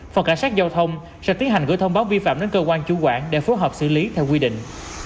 phòng cảnh sát giao thông sẽ tiến hành gửi thông báo vi phạm đến cơ quan chủ quản để phối hợp xử lý theo quy định